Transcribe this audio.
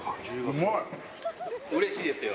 うれしいですよ。